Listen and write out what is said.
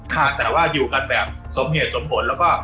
ค่ะแต่ว่าอยู่กันแบบสมเหตุสมผลแล้วก็